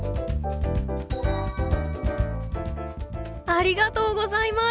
ありがとうございます。